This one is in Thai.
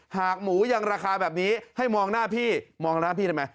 หากหมูยังราคาแบบนี้ให้มองหน้าพี่มองหน้าพี่ได้ไหม